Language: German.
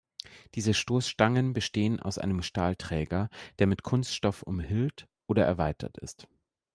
Diese Stoßstangen bestehen aus einem Stahlträger, der mit Kunststoff umhüllt oder erweitert ist.